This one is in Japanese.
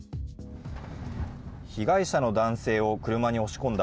被害者の男性を車に押し込んだ